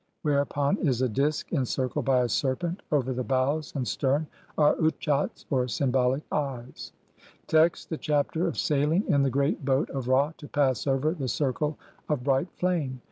whereupon is a disk encircled by a serpent ; over the bows and stern are utchats, or symbolic eyes. Text : (i) THE CHAPTER OF SAILING IN THE GREAT BOAT OF R.\ TO PASS OVER (2) THE CIRCLE OF BRIGHT FLAME.